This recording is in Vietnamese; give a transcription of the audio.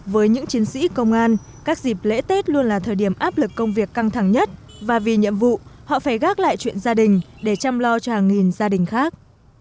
với những chiến sĩ công an các dịp lễ tết luôn là thời điểm áp lực công việc căng thẳng nhất và vì nhiệm vụ họ phải gác lại chuyện gia đình để chăm lo cho hàng nghìn gia đình khác